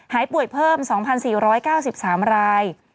หายป่วยเพิ่ม๒๔๙๓ราย